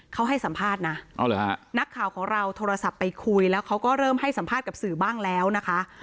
เขาให้สัมภาษณ์นะนักข่าวของเราโทรศัพท์ไปคุยแล้วเขาก็เริ่มให้สัมภาษณ์กับสื่อบ้างแล้วนะคะ